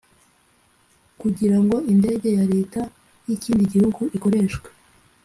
Kugira ngo indege ya leta y ikindi gihugu ikoreshwe